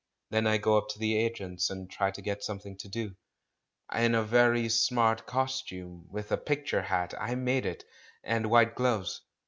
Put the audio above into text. Then I go up to the agents' and try to get something to do. In a very smart cos tume! with a picture hat — I made it! — and white gloves.